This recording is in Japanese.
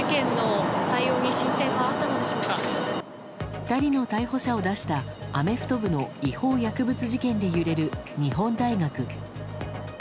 ２人の逮捕者を出したアメフト部の違法薬物事件で揺れる日本大学。